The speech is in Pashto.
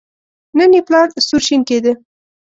نن یې پلار سور شین کېده.